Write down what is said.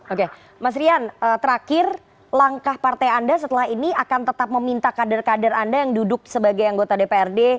oke mas rian terakhir langkah partai anda setelah ini akan tetap meminta kader kader anda yang duduk sebagai anggota dprd